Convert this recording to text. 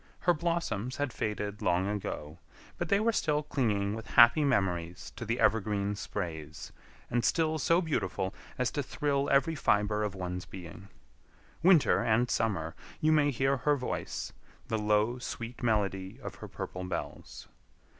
Her blossoms had faded long ago, but they were still clinging with happy memories to the evergreen sprays, and still so beautiful as to thrill every fiber of one's being. Winter and summer, you may hear her voice, the low, sweet melody of her purple bells.